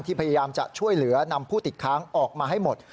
พยายามจะช่วยเหลือนำผู้ติดค้างออกมาให้หมด